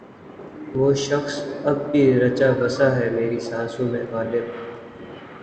وہ شخص اب بھی رچا بسا ہے میری سانسوں میں غالب